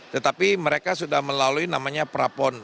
tetapi mereka sudah melalui namanya prapon